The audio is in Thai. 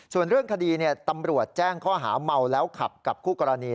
ส่วนเรื่องคดีตำรวจแจ้งข้อหาเมาแล้วขับกับคู่กรณี